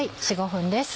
４５分です。